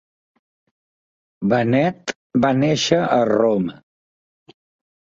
Benet va néixer a Roma.